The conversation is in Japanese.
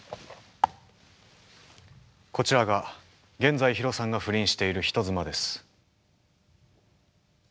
こちらが現在ヒロさんが不倫している人妻です。